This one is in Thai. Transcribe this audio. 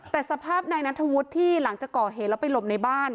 แต่สภาพนายนัทธวุฒิที่หลังจากก่อเหตุแล้วไปหลบในบ้าน